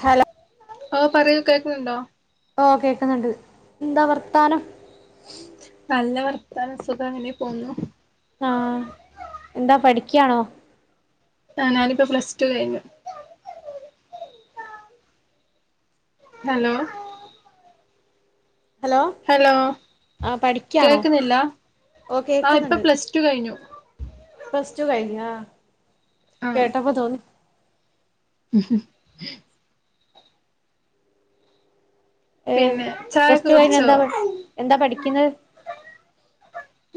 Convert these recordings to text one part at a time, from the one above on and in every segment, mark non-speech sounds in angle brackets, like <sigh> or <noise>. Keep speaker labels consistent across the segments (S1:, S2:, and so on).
S1: Hello
S2: ഓ പറയൂ, കേക്കുന്നുണ്ടോ?
S1: ഓ കേക്കുന്നുണ്ട്, എന്താ വർത്താനം?
S2: നല്ല വർത്താനം സുഖം അങ്ങനെ പോന്നു.
S1: ആഹ്, എന്താ പഠിക്കണോ?
S2: ആ ഞാനിപ്പോ പ്ലസ്ടു കഴിഞ്ഞു. ഹലോ ഹലോ
S1: ആ പഠിക്കാണോ
S2: കേക്കുന്നില്ല
S1: ഓ
S2: ആ ഇപ്പൊ പ്ലസ്ടു ടു കയിഞ്ഞു
S1: പ്ലസ്ടു കയ്ഞ്ഞു ആ
S2: ആ
S1: കേട്ടപ്പതോന്നി ഏ
S2: പിന്നെ ചായൊക്കെ
S1: പ്ലസ്ടു കഴിഞ്ഞ
S2: കുടിച്ചോ
S1: എന്താ എന്താ പഠിക്ന്ന?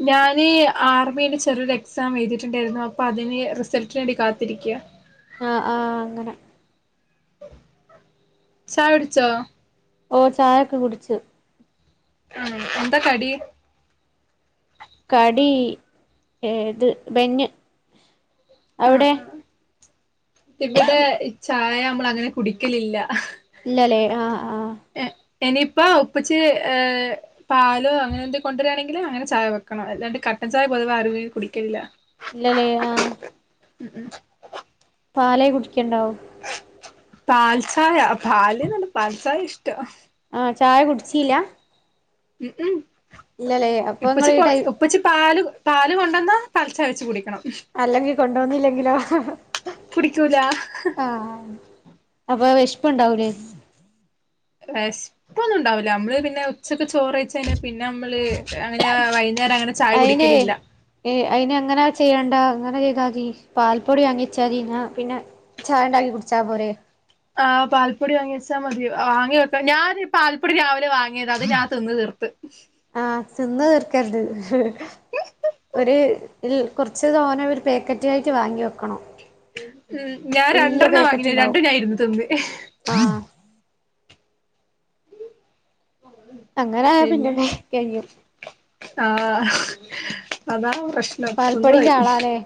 S2: ഞാന് ആർമിന്റെ ചെറിയൊരു എക്സാം എയ്തിട്ടുണ്ടായിരുന്നു. അപ്പൊ അതിന് റിസൾട്ടിന് വേണ്ടി കാത്തിരിക്ക.
S1: ആ ആ അങ്ങനെ
S2: ചായുടിചോ?
S1: ഓ ചായൊക്കെ കുടിച്
S2: ആണോ, എന്താ കടി?
S1: കടി ഏത് ബന്ന്,
S2: ആ
S1: അവിടെ?
S2: ആ ഇവിടെ ചായ അമ്മളങ്ങനെ കുടിക്കലില്ല
S1: ഇല്ലല്ലേ ആഹ ആഹ്
S2: എ ഇനിയിപ്പ ഉപ്പച്ചി ഏ പാലോ അങ്ങനെ എന്തെ കൊണ്ടരണെങ്കില് അങ്ങനെ ചായ വെക്കണം. എല്ലാണ്ട് കട്ടൻ ചായ പൊതുവെ ആരു അങ്ങനെ കുടിക്കലില്ല.
S1: ഇല്ലലേ ആഹ്
S2: ഉ ഉ
S1: പാലെ കുടിക്കണ്ടാവു
S2: പാൽചായ പാല്ന്നല്ല പാൽചായ ഇഷ്ട.
S1: ആഹ ചായ കുടിച്ചില്ല
S2: ഉ ഉം
S1: ഇല്ലല്ലേ അപ്പൊ നിങ്ങൾ
S2: ഇപ്പച്ചി
S1: ഈ
S2: കൊ
S1: ടൈ
S2: ഇപ്പച്ചി പാല് കൊണ്ടന്നാ പാൽച്ചായ വെച്ച് കുടിക്കണം.
S1: അല്ലെങ്കിൽ കൊണ്ടുവന്നില്ലെങ്കിലോ? ആഹ
S2: കുടിക്കൂല
S1: അപ്പൊ വെശപ്പ് ഉണ്ടാവൂല്ലേ
S2: വിശപ്പ് ഉണ്ടാവില്ല നമ്മള് പിന്നെ ഉച്ചക്കെ ചോറ്യിച്ച് പിന്നെ നമ്മള്
S1: ആഹ്
S2: അങ്ങനെ വൈകുന്നേര അങ്ങ
S1: അയിനെ ഏ അയിന് എങ്ങനെ ചെയ്യണ്ട അങ്ങനെ ചെയ്താ മതി. പാല്പ്പൊടി വാങ്ങിച്ചാ മതി പിന്നെ ചായ ഉണ്ടാക്കി കുടിച്ചാ പോരെ
S2: ആ പാൽപ്പൊടി വാങ്ങി വച്ചാൽ മതി, വാങ്ങി വെക്കാം ഞാൻ പാൽപ്പൊടി രാവിലെ വാങ്ങിയതാ അത് ഞാൻ തിന്ന് തീർക്കു. <unintelligible>
S1: ആഹ് തിന്ന് തീർക്കരുത് ഒരു കുറച്ച് തോന പേക്കറ്റിനായിട്ട് വാങ്ങി വെക്കണം.
S2: ഉം ഞാൻ
S1: വല്യ
S2: രണ്ടെണ്ണ
S1: പാക്കറ്റ്
S2: വാങ്ങേ
S1: ഉണ്ടാവും
S2: രണ്ടും ഞാൻ ഇര്ന്ന് തിന്ന്
S1: ആഹ് അങ്ങന ആയ പിന്നെ കഴിയും
S2: ആഹ് അതാ പ്രശ്നം
S1: പാൽപ്പൊടിന്റെ
S2: നിന്നുപോയി
S1: ആളാല്ലേ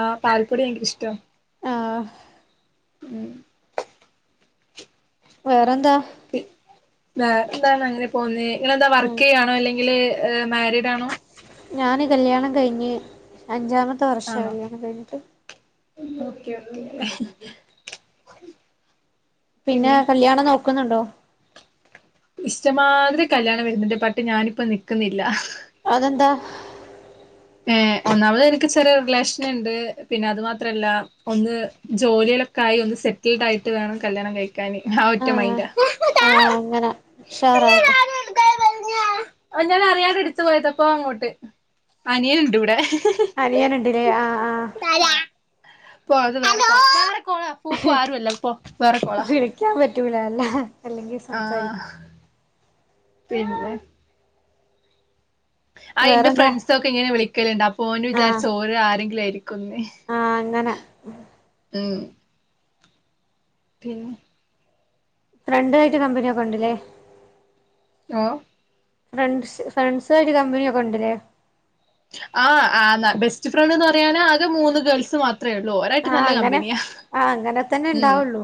S2: ആഹ് പാൽപ്പൊടി എനിക്ക ഇഷ്ടം
S1: ആഹ്
S2: ഉം
S1: വേറെന്താ
S2: വേറെന്ത അങ്ങനെ പോന്നു നിങ്ങളെന്താ
S1: ഉം
S2: വർക്ക് ചെയ്യാണോ അല്ലെങ്കിൽ മാരീഡ് ആണോ
S1: ഞാന് കല്ല്യാണം കഴിഞ്ഞ് അഞ്ചാമത്തെ വർഷ
S2: ആണോ
S1: കല്യാണം കഴിഞ്ഞിട്ട്
S2: <unintelligible>
S1: പിന്നെ കല്യാണം നോക്കുന്നുണ്ടോ
S2: ഇഷ്ടമാതിരി കല്യാണം വരുന്നുന്റെ ബട്ട് ഞാനിപ്പ നിൽക്കുന്നില്ല
S1: അതെന്താ
S2: ഏ ഒന്നാമത് എനിക്ക് ചെറിയ റിലേഷൻ ഉണ്ട് പിന്നെ അത് മാത്രല്ല ഒന്ന് ജോലികളൊക്കെ ആയി ഒന്ന് സെറ്റിൽഡ് ആയിട്ട് വേണം കല്യാണം കഴിക്കാന് ആ ഒറ്റ
S1: ആഹ്
S2: മൈൻഡ
S1: ആഹ് അങ്ങനെ ഉഷാറാകട്ടെ
S2: ഞാൻ അറിയാത എടുത്ത പോയത പ്പോ അങ്ങോട്ട് അനിയൽണ്ട് ഇവിടെ
S1: അനിയൻണ്ടില്ലേ ആഹ് ആഹ്
S2: ഹലോ വേറെ കോള ഫുഫു ആരു അല്ല വേറെ കോള
S1: <unintelligible> പറ്റൂല അല്ല അല്ലെങ്കിൽ
S2: ആഹ്
S1: സംസാരിക്കും
S2: പിന്നെ ആ ന്റെ
S1: വേറെന്താ
S2: ഫ്രണ്ട്സ ഒക്കെ ഇങ്ങനെ വിളിക്കലുണ്ട് അപ്പൊ ന്
S1: ആഹ്
S2: വിചാരിച്ചു ഓള് ആരെങ്കിലുമായിരിക്കുന്ന്
S1: ആഹ് അങ്ങനെ
S2: ഉം പിന്നെ
S1: ഫ്രണ്ട്തായിട്ട് കമ്പനിയൊക്കെ ഉണ്ടല്ലേ
S2: ഓഹ്
S1: ഫ്രണ്ട് ഫ്രണ്ട്സ് ആയിട്ട് കമ്പനിയൊക്കെ ഉണ്ടല്ലേ
S2: ആഹ് ബെസ്റ്റ് ഫ്രണ്ട്ന്ന് പറയാനേ ആകെ മൂന്ന് ഗേൾസ് മാത്രേ ഉള്ളൂ ഒ
S1: ആഹ് അങ്ങനെ ആ അങ്ങനെ തന്നെ
S2: ഉം
S1: ഉണ്ടാവുള്ളൂ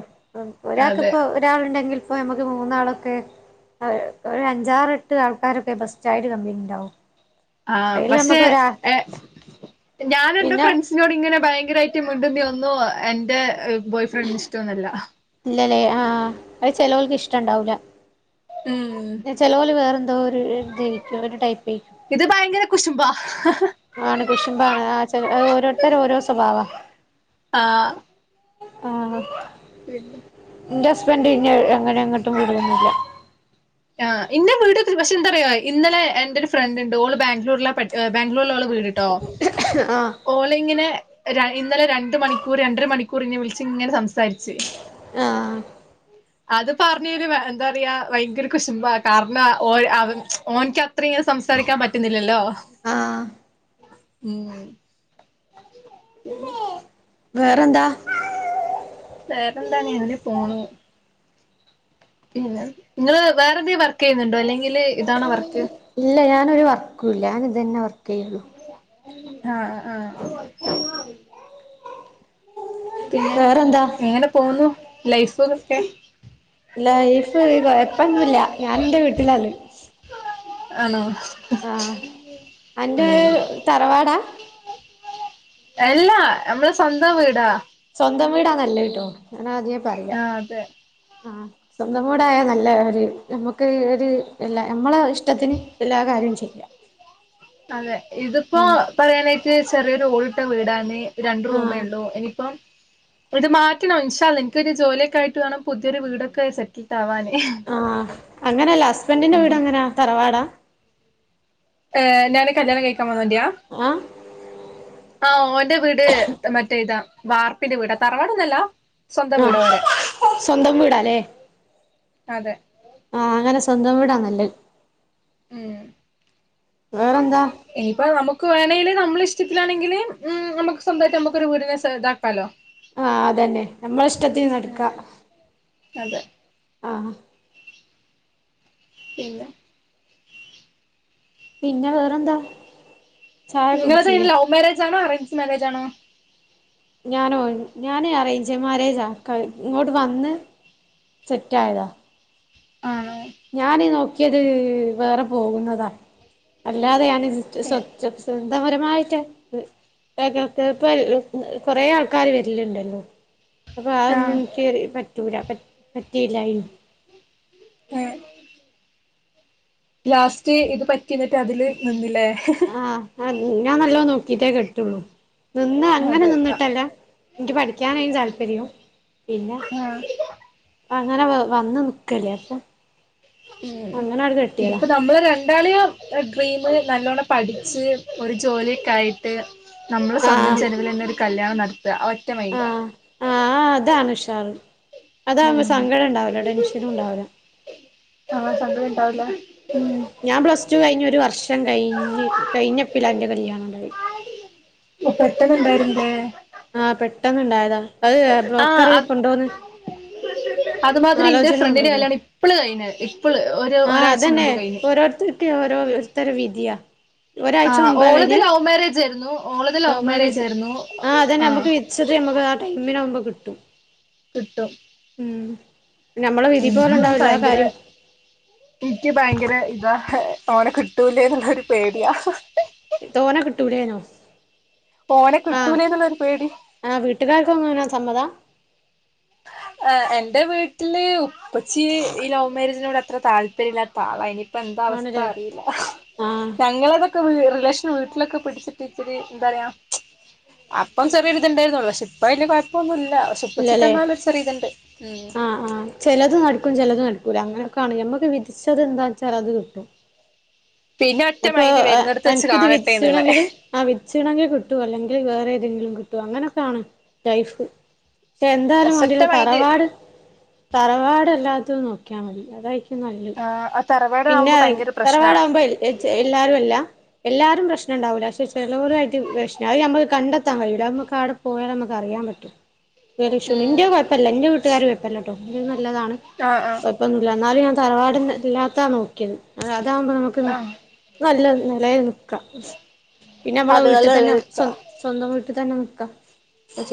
S1: ഒരാൾക്ക്
S2: അതെ
S1: ഇപ്പൊ ഒരാളണ്ടെങ്കിൽ ഇപ്പോ നമുക്ക് മൂന്നാളൊക്കെ ഒരു അഞ്ചാറെ എട്ട് ആൾക്കാരൊക്കെ ബസ് ആയിട്ട്ട് കംപനി ഉണ്ടാവും
S2: ആഹ്
S1: അതിൽ
S2: പക്ഷേ
S1: നമുക്ക് ഒരാ
S2: ഞാൻ എന്റെ
S1: പിന്നെ
S2: ഫ്രണ്ട്സ് <unintelligible> ഇങ്ങനെ ഭയങ്കരമായിട്ട മിണ്ടൊന്നുന്നും എന്റെ ബോയ് ഫ്രണ്ടിൽ ഇഷ്ടോന്നല്ല
S1: ഇല്ലല്ലേ ആഹ് അത് ചിലോർക്ക് ഇഷ്ടം ഉണ്ടാവൂല
S2: ഉം
S1: ന്നെ ചെലോല് വേറെന്തോ ഒരു തെയ്ക്കോ ഒരു ടൈപ്പേ
S2: ഇത് ഭയങ്കര കുശുമ്പാ
S1: ആണ് കുശുമ്പാണ് ആഹ് ചെല അഹ് ഓരോരുത്തരോരോ സ്വഭാവാ
S2: ആഹ്
S1: ആണോ
S2: പിന്നെ
S1: ഇന്റ ഹസ്ബൻഡ് പിന്നേഴ് അങ്ങനെ എങ്ങട്ടും വിടലൊന്നുല്ല
S2: ആഹ് ഇന്നെ വിടു ഒക്കെ പക്ഷെ എന്താറയോ ഇന്നലെ എൻ്റൊരു ഫ്രണ്ട്ണ്ട് ഓള് ബാംഗ്ലൂരിലാ പഠി അ് ബാംഗ്ലൂരിലാ ഓള വീട് ട്ടോ
S1: ആഹ്
S2: ഓളിങ്ങനെ ര ഇന്നലെ രണ്ട് മണിക്കൂർ രണ്ടര മണിക്കൂർ ഇന്നെ വിളിച്ച് ഇങ്ങനെ സംസാരിച്ച്
S1: ആഹ്
S2: അത് പറഞ്ഞയിന് വേ എന്താറയാ വയങ്കര കുശുമ്പാ കാരണം ഓ അവ ഓന്ക്കത്രയിങ്ങനെ സംസാരിക്കാൻ പറ്റുന്നില്ലല്ലോ
S1: ആഹ്
S2: ഉം പിന്നെ
S1: വേറെന്താ
S2: വേറെന്താണ് അങ്ങനേ പോണു പിന്നെ ഇങ്ങള് വേറെന്തെ വർക്കെയ്യുന്നുണ്ടോ അല്ലെങ്കില് ഇതാണോ വർക്ക്
S1: ഇല്ല ഞാനൊരു വർക്കൂല്ല ഞാനിതന്നെ വർക്കെയ്യണുള്ളൂ
S2: ആഹ് ആഹ് പിന്നെ
S1: വേറെന്താ
S2: എങ്ങനെ പോവുന്നു ലൈഫുതൊക്കെ
S1: ലൈഫ് കൊയപ്പൊന്നുല്ല ഞാനെന്റെ വീട്ടിലാള്ളെ
S2: ആണോ
S1: ആഹ് അൻ്റേ
S2: ഉം
S1: തറവാടാ
S2: എല്ലാ യമ്മള സ്വന്തം വീടാ
S1: സ്വന്തം വീടാ നല്ലഹ് ട്ടോ ഞാനാദ്യേ പറയാ
S2: ആഹ് അതെ
S1: ആഹ് സ്വന്തം വീടായാ നല്ല ഒര് നമുക്ക് ഒരു എല്ലാ നമ്മളെ ഇഷ്ടത്തിന് എല്ലാ കാര്യോം ചെയ് യ്യാ
S2: അതെ ഇതിപ്പോ പറയാനായിട്ട് ചെറിയൊരു ഓടിട്ട വീടാന്ന് രണ്ട്
S1: ആഹ്
S2: റൂമേയുള്ളൂ ഇനിയിപ്പം ഇത് മാറ്റണം ഇൻശാ അല്ലാഹ് എനിക്കൊരു ജോലിയൊക്കായിട്ട് വേണം പുതിയൊരു വീടൊക്കെ സെക്കി റ്റാവാന്
S1: ആഹ് അങ്ങനല്ല ഹസ്ബൻഡിന്റ വീടെങ്ങനാ തറവാടാ
S2: ഏഹ് ഞാന് കല്യാണം കഴിക്കാൻ വന്നോൻ്റിയാ
S1: ആഹ്
S2: ആഹ് ഓന്റെ വീട് മറ്റേ ഇതാ വാർപ്പിന്റെ വീടാ തറവാടൊന്നല്ലാ സ്വന്തം
S1: ആഹ്
S2: വീടാ ഓരെ
S1: സ്വന്തം വീടാല്ലേ
S2: അതെ
S1: ആഹ് അങ്ങനെ സ്വന്തം വീടാ നല്ലഹ് വേറെന്താ
S2: ഇനിപ്പ നമുക്ക് വേണേല് നമ്മള ഇഷ്ടത്തിലാണെങ്കില് ഉം നമ്മക്ക് സ്വന്തായിട്ട് നമ്മക്കൊരു വീടിനെ സ ദാ
S1: അഹ് ആഹ് അതന്നെ നമ്മള ഇഷ്ടത്തിന്
S2: ഉം
S1: നടക്കാ
S2: അതെ
S1: ആഹ്
S2: പിന്ന
S1: പിന്നെ വേറെന്താ ചായ
S2: ഇങ്ങൾത്
S1: കുടിച്ചീലേ
S2: ലൗ മാരേജാണോ അറേഞ്ച്ഡ് മാരേജാണോ
S1: ഞാനോ ഞാന് അറേഞ്ച് മാരേജാ കഴ് ഇങ്ങോട്ട് വന്ന് സെറ്റായതാ
S2: ആണോ
S1: ഞാനീ നോക്കിയത് വേറെ പോകുന്നതാ അല്ലാതെ ഞാന് ച് സൊത് ചൊ സ്വന്തപരമായിട്ട് <unintelligible> കൊറെ ആൾക്കാര് വരലുണ്ടല്ലോ അപ്പൊ അതൊന്നും
S2: ആഹ്
S1: ഇൻക്ക് പറ്റൂല പറ്റ് പറ്റീല്ലായിരുന്നു
S2: ഏഹ് ലാസ്റ്റ് ഇത് പറ്റി ന്നിട്ട് അതില് നിന്ന്ല്ലേ
S1: ആഹ് അഹ് ഞാൻ നല്ലോ നോക്കിട്ടേ കെട്ടൊള്ളൂ നിന്ന് അങ്ങനെ
S2: അതെ ആഹ്
S1: നിന്നിട്ടല്ല എനിക്ക് പഠിക്കാനയ്ന് താല്പര്യം പിന്നെ
S2: ആഹ്
S1: അങ്ങനെ വന്ന് നിക്കല്ലേ അപ്പൊ
S2: ഉം
S1: അങ്ങനെട് കെട്ടിയതാ
S2: ഇതിപ്പ നമ്മള് രണ്ട് ണ്ടാളെയും ഡ്രീമ് നല്ലോണ്ണം പഠിച്ച് ഒരു ജോലിയൊക്കെ ആയിട്ട് ട്ട് നമ്മള് സ്വന്തം
S1: ആഹ്
S2: ചെലവിൽ തന്നൊരു കല്യാണം നടത്ത ആ ഒറ്റ മൈന്റ
S1: അ ആഹ് ആഹ് അതാണ് ഉഷാറ് അതാവുമ്പോ
S2: ഉം
S1: സങ്കടം ഉണ്ടാവില്ല ടെൻഷനും ഉണ്ടാവൂല
S2: ആഹ് സങ്കടം ഉണ്ടാവില്ല
S1: ഉം ഞാൻ പ്ലസ് ടു കഴിഞ്ഞ് ഒരു വർഷം കഴിഞ്ഞ് കഴിഞ്ഞപ്പില എന്റെ കല്യാണണ്ടായി
S2: ഓ പെട്ടെന്ന് ഉണ്ടായിരുന്നില്ലേ
S1: ആഹ് പെട്ടെന്ന് ഇണ്ടായതാ അത്
S2: ആഹ്
S1: ബ്രോക്കറ്
S2: അത്
S1: കൊണ്ടുവന്ന്
S2: അതുമാതിരി ഇന്റൊരു ഫ്രണ്ടിന്റെ
S1: കൊണ്ടോന്നില്ലേ
S2: കല്യാണം ഇപ്പള കഴിഞ്ഞത് ഇപ്പ് ള് ഒരു ഒരാഴ്ച മുമ്പ് കഴിഞ്ഞു
S1: ഒക്കെ ഒരോരുത്തരെ വിധിയാ ഒരാഴ്ച
S2: ആഹ്
S1: മുമ്പാ
S2: ഓളത്
S1: കഴിഞ്ഞത്
S2: ലവ് മാരേജ് ആയിരുന്നു ഓളത്
S1: ലൗ
S2: ലവ് മാരേജ്
S1: മാര്യേജ്
S2: ആയിരുന്നു
S1: ആഹ് അതന്നെ നമ്മക്ക് വിധി വിച്ചത് നമുക്ക് ആ ടൈമിനാവുമ്പം കിട്ടും
S2: കിട്ടും
S1: ഉം നമ്മളെ വിധി പോലെ ഉണ്ടാവും എല്ലാ കാര്യോം
S2: ഇക്ക് ഭയങ്കര ഇതാ ഓനെ കിട്ടൂലേ ന്നുള്ളൊരു പേടിയാ
S1: തോനെ കിട്ടൂലേന്നോ
S2: ഓനെ കിട്ടൂലെ ന്നുള്ളൊരു പേടി
S1: ആഹ് വീട്ടുകാർക്കും എങ്ങനെ സമ്മതാ
S2: ഏഹ് എന്റെ വീട്ടില് ഉപ്പച്ചി ഈ ലവ് മാര്യേജിനോട് അത്ര താല്പര്യം ഇല്ലാത്ത ത്ത ആളാ ഇനിയിപ്പ എന്താ അവസ്ഥ
S1: ആണ്ല്ലേ
S2: അറിയില്ല
S1: ആഹ്
S2: ഞങ്ങളെത് ഒക്കെ റിലേഷൻ വീട്ടിലൊക്കെ പിടിച്ചിട്ട് ഇച്ചിരി എന്താറയാ അപ്പം ചെറിയൊരിത്ണ്ടായിരു ന്നൊള്ളൂ പക്ഷെ ഇപ്പ വല്യ കൊഴപ്പൊന്നും ഇല്ല പക്ഷെ ഇപ്പച്ചി
S1: ഇല്ലല്ലേ
S2: ക്കെന്നാലും ഒരു ചെറിയ ഇത്ണ്ട്
S1: ആഹ് ആഹ് ചെലത് നടക്കും ചെലത് നടക്കൂല അങ്ങനൊക്കാണ് ഞമ്മക്ക് വിധിച്ചത് എന്താച്ചാൽ അത് കിട്ടും
S2: പിന്നെ ഒറ്റ
S1: അപ്പൊ
S2: മൈൻഡ് വരുന്നിടത്ത് വെച്ച്
S1: അനക്ക് ഇത്
S2: കാണട്ടെ എന്നുള്ള
S1: വിധിച്ച്‌ണെങ്കില് ആഹ് വിധിച്ചി‌ണെങ്കിൽ കിട്ടും അല്ലെങ്കിൽ വേറെ ഏതെങ്കിലും കിട്ടും അങ്ങനെയൊക്കെയാണ് ലൈഫ് പക്ഷെ എന്തായാലും
S2: പക്ഷെ ഒറ്റ
S1: വേണ്ടീല്ല
S2: മൈൻഡ്
S1: തറവാട് തറവാടല്ലാത്ത നോക്കിയാൽ മതി അതായിരിക്കും നല്ലത്
S2: ആഹ് അ തറവാ
S1: പിന്നെ തറവാടാകുമ്പോ എച് എല്ലാരൊല്ല എല്ലാരും പ്രശ്നണ്ടാവൂല്ല പക്ഷെ ചെലോരായിട്ട് പ്രശ്ന അത് നമ്മക്ക് കണ്ടെത്താൻ കഴിയൂല്ല അത് നമ്മക്ക് അവിടെ പോയാലെ നമ്മക്ക് അറിയാൻ പറ്റും വേറെ ഇഷ്യൂണ്ട് ഇന്റെ
S2: ആഹ്
S1: കൊഴപ്പല്ല ഇന്റെ വീട്ടുകാര് കൊഴപ്പല്ലട്ടോ ഇന്റത് നല്ലതാണ്
S2: ആഹ്
S1: കൊഴ ഇപ്പൊന്നുല്ല ഇന്നാലും ഞാൻ തറവാട് ഇല്ലാത്താ നോക്കിയത് അ അതാകുമ്പോ നമുക്ക്
S2: ആഹ്
S1: നല്ല നെലേൽ നിക്ക പിന്നെ നമ്മളെ വീട്ടിൽ
S2: അതുകാലം
S1: തന്നെ സ്വ
S2: നിലനിൽക്കുക
S1: സ്വന്തം വീട്ട് തന്നെ നിക്കാം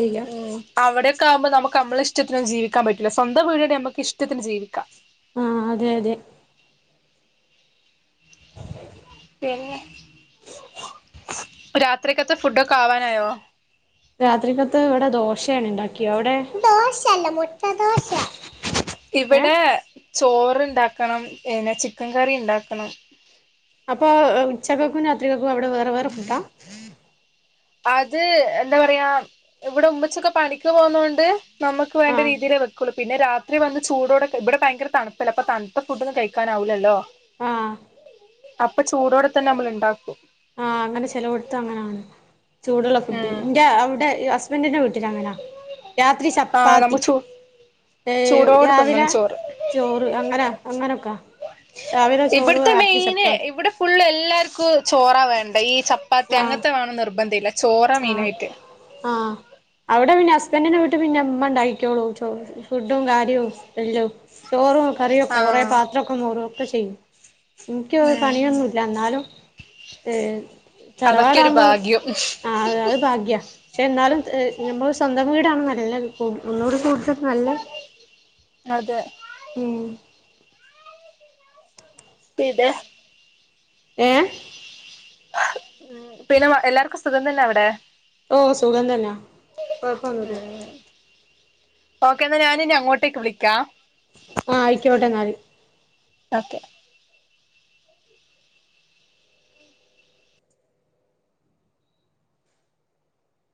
S1: ചെയ്യാം
S2: ആഹ് അവിടെക്കെ ആവുമ്പൊ നമുക്ക് നമ്മളെ ഇഷ്ടത്തിനൊന്നും ജീവിക്കൻ പറ്റൂല്ല സ്വന്ത വീട്ണ്ടെ നമുക്ക് ഇഷ്ടത്തിന് ജീവിക്കാം
S1: ആഹ് അതെ അതെ
S2: പിന്നെ ഇപ്പൊ രാത്രിക്കത്തെ ഫുഡൊക്കെ ആവാനായോ
S1: രാത്രിക്കത്ത് ഇവിടെ ദോശയാണ് ഇണ്ടാക്കിയെ അവിടെ ഏഹ്
S2: ഇവിടെ ചോറ് ഇണ്ടാക്കണം, പിന്നെ ചിക്കൻ കറി ഇണ്ടാക്കണം.
S1: അപ്പോ ഏഹ് ഉച്ചക്കക്കും രാത്രിക്കക്കും അവടെ വേറെ വേറെ ഫുഡാ?
S2: അത് എന്താ പറയാ ഇവടെ ഉമ്മച്ചിക്കെ പണിക്ക് പോവ്ന്നോണ്ട് നമ്മക്ക് വേണ്ട
S1: ആഹ്
S2: രീതിയിലെ വെക്കൊള്ളു. പിന്നെ രാത്രി വന്ന് ചൂടോടെ ക ഇവടെ ഭയങ്കര തണുപ്പല്ലേ അപ്പൊ തണുത്ത ഫുഡോന്നും കഴിക്കാനാവൂലല്ലോ?
S1: ആഹ്.
S2: അപ്പൊ ചൂടോടെ തന്നെ നമ്മള് ഇണ്ടാക്കും.
S1: ആഹ് അങ്ങനെ ചെലോട്ത്ത് അങ്ങനാണ്. ചൂട്ള്ള ഫുഡ്.
S2: ഉം
S1: ഇന്റെ അവിടെ ഈ ഹസ് ബന്റിന്റെ വീട്ടിലങ്ങനാ. രാത്രി
S2: ആ നമ്മ
S1: ചപ്പാത്തി.
S2: ചൂ
S1: ഏഹ്,
S2: ചൂടോടെ
S1: രാവിലെ
S2: തിന്നണം ചോറ്
S1: ചോറ് അങ്ങനാ അങ്ങനൊക്ക. രാവിലെ ചോറ്,
S2: ഇവിടുത്തെ
S1: രാത്രി
S2: മെയിന്
S1: ചപ്പാത്തി.
S2: ഇവിടെ ഫുള്ള് എല്ലാര്ക്കു ചോറാ വേണ്ടെ. ഈ ചപ്പാത്തി
S1: ആഹ്
S2: അങ്ങൻത്തെ വേണം നിർബന്ധല്ല. ചോറാ
S1: ആഹ്
S2: മെയിനായിട്ട്.
S1: ആഹ്, അവിടെ പിന്നെ ഹസ്ബന്റിന്റെ വീട്ട് പിന്നെ ഇമ്മ ഇണ്ടാക്കിക്കോളും ചോറ്. ഫുഡും കാര്യവും എല്ലോം. ചോറും കറിയൊക്കെ കൊറെ
S2: ആഹ്
S1: പാത്രൊക്കെ മോറും ഒക്കെ ചെയ്യും. ഇൻക്ക്
S2: ഉം
S1: പണിയൊന്നുല്ല. ഇന്നാലും ഏഹ്
S2: അതൊക്കെ ഒരു
S1: തറവാടാവുമ്പോ
S2: <inaudible>
S1: അഹ്, അഹ് ഭാഗ്യ. പക്ഷെ എന്നാലും ഏഹ് ഞമ്മള് സ്വന്തം വീടാണ് നല്ലത്. ഉം ഒന്നൂടെ ചോയിച്ചോക്ക് നല്ല
S2: അതെ.
S1: ഉം.
S2: പിന്നെ
S1: ഏഹ്.
S2: ഉം പിന്നെ എല്ലാർക്കും സുഖം തന്നെ അവിടെ?
S1: ഓഹ് സുഖം തന്നാ. കൊഴപ്പ ഒന്നൂല്ല.
S2: ഉം ഓക്കെ ഇന്നാ ഞാനിനി അങ്ങോട്ടേക്ക് വിളിക്കാ.
S1: ആഹ്, അയ്ക്കോട്ടെ ഇന്നാല്.
S2: ഓക്കെ.